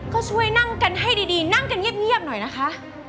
ก็ช่วยนั่งกันให้ดีนั่งกันเงียบหน่อยนะคะ